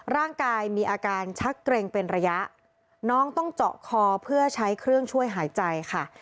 ร่างกายมีอาการชักเกร็งเป็นระยะน้องต้องเจาะคอเพื่อใช้เครื่องช่วยหายใจค่ะ